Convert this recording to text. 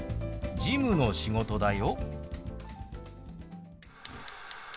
事務の仕事です。